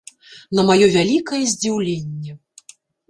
На маё вялікае здзіўленне.